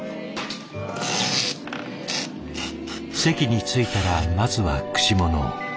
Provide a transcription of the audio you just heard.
席に着いたらまずは串物を。